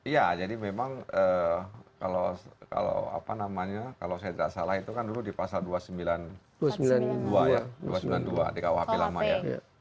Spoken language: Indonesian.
ya jadi memang kalau apa namanya kalau saya tidak salah itu kan dulu di pasal dua ratus sembilan puluh dua ya dua ratus sembilan puluh dua di kuhp lama ya